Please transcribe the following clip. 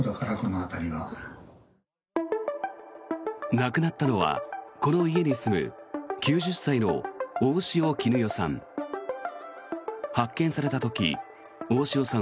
亡くなったのはこの家に住む９０歳の大塩衣興さん。